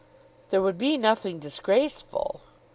"There would be nothing disgraceful."